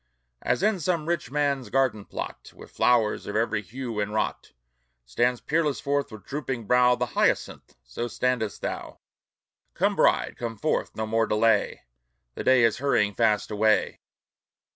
As in some rich man's garden plot, With flowers of every hue inwrought, Stands peerless forth with drooping brow The hyacinth, so standest thou! Come, bride, come forth! no more delay! The day is hurrying fast away!